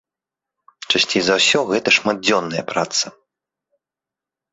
Часцей за ўсё, гэта шматдзённая праца.